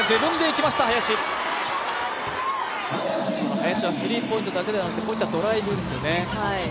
林はスリーポイントだけではなくてこういったドライブですよね。